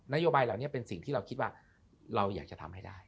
โยบายเหล่านี้เป็นสิ่งที่เราคิดว่าเราอยากจะทำให้ได้